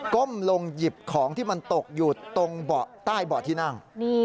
้มลงหยิบของที่มันตกอยู่ตรงเบาะใต้เบาะที่นั่ง